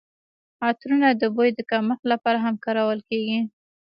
عطرونه د بوی د کمښت لپاره هم کارول کیږي.